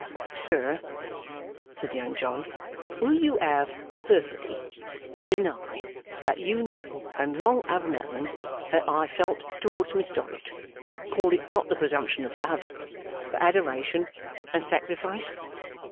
'Sir,' said Young John, 'will you have the perfidy to deny that you know and long have known that I felt towards Miss Dorrit, call it not the presumption of love, but adoration and sacrifice?